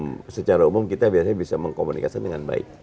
kalau di luar secara umum kita bisa komunikasi dengan baik